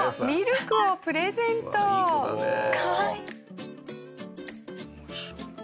かわいい！